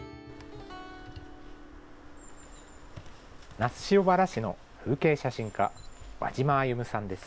那須塩原市の風景写真家、和嶋歩さんです。